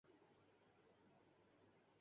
پاکستان نے پہلی مکمل برقی گاڑی متعارف کرادی